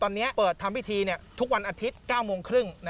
ตอนนี้เปิดทำพิธีทุกวันอาทิตย์๙โมงครึ่ง